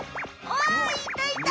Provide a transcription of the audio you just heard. あいたいた！